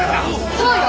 そうよ！